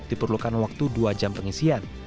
diperlukan waktu dua jam pengisian